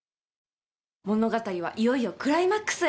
物語はいよいよクライマックスへ。